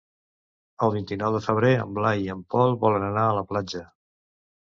El vint-i-nou de febrer en Blai i en Pol volen anar a la platja.